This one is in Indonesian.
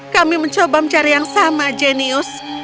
kami mencoba mencari yang sama jenius